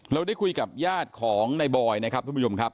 เราได้คุยกับญาติของในบอยนะครับทุกผู้ชมครับ